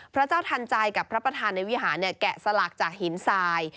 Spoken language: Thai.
พระเจ้าทันใจกับพระประธานในวิหารแกะสลักจากหินทราย